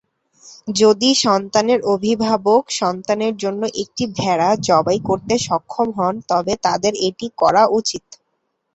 যদি সন্তানের অভিভাবক সন্তানের জন্য একটি ভেড়া জবাই করতে সক্ষম হন তবে তাদের এটি করা উচিত।